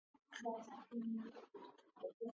He left from Naples on the ship "Italia".